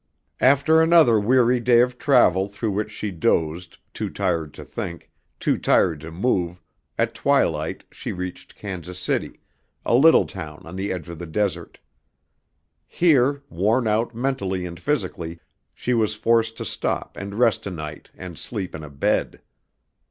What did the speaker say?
After another weary day of travel through which she dozed, too tired to think, too tired to move, at twilight she reached Kansas City, a little town on the edge of the desert. Here, worn out mentally and physically, she was forced to stop and rest a night and sleep in a bed.